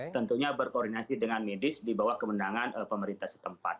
tentunya berkoordinasi dengan medis di bawah kemenangan pemerintah setempat